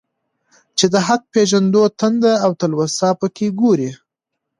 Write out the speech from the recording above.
چي د حق پېژندو تنده او تلوسه په كي گورې.